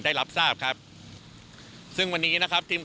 ได้จัดเตรียมความช่วยเหลือประบบพิเศษสี่ชน